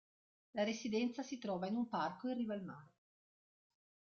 La residenza si trova in un parco in riva al mare.